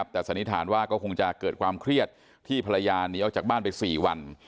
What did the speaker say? แต่สนิทานว่าก็คงจะเกิดความเครียดที่พลายานนี้เอาจากบ้านไปสี่วัน